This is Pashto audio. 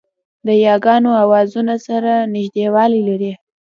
د یاګانو آوازونه سره نږدېوالی لري